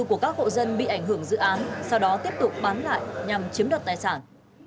của các hộ dân bị ảnh hưởng dự án sau đó tiếp tục bán lại nhằm chiếm đoạt tài sản